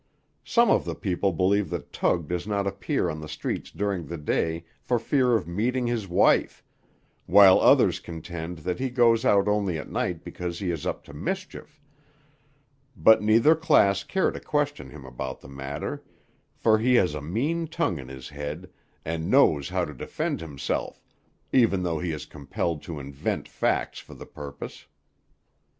Some of the people believe that Tug does not appear on the streets during the day for fear of meeting his wife, while others contend that he goes out only at night because he is up to mischief; but neither class care to question him about the matter, for he has a mean tongue in his head, and knows how to defend himself, even though he is compelled to invent facts for the purpose.